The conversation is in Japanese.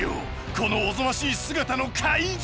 このおぞましい姿の怪獣。